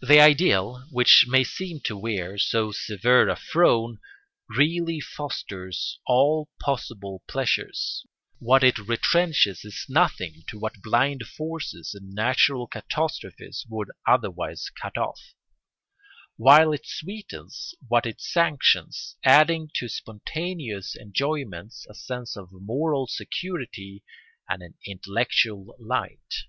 The ideal, which may seem to wear so severe a frown, really fosters all possible pleasures; what it retrenches is nothing to what blind forces and natural catastrophes would otherwise cut off; while it sweetens what it sanctions, adding to spontaneous enjoyments a sense of moral security and an intellectual light.